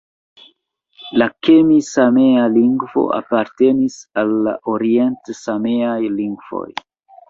La kemi-samea lingvo apartenis al la orient-sameaj lingvoj.